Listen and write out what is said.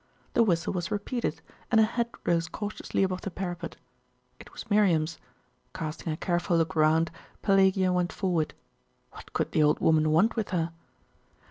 The whistle was repeated, and a head rose cautiously above the parapet.... It was Miriam's. Casting a careful look around, Pelagia went forward. What could the old woman want with her?